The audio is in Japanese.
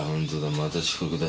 また遅刻だ。